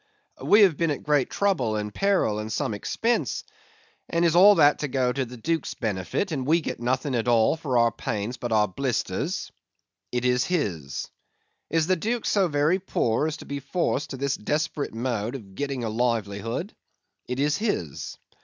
"We have been at great trouble, and peril, and some expense, and is all that to go to the Duke's benefit; we getting nothing at all for our pains but our blisters?" "It is his." "Is the Duke so very poor as to be forced to this desperate mode of getting a livelihood?" "It is his."